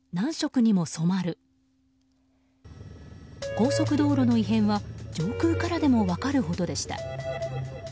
高速道路の異変は上空からでも分かるほどでした。